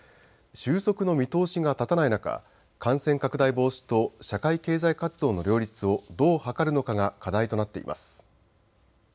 収束の見通しが立たない中、感染拡大防止と社会経済活動の両立をどう図るのかが課題となっています。